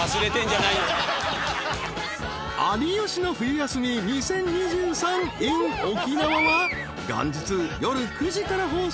［『有吉の冬休み２０２３ｉｎ沖縄』は元日夜９時から放送］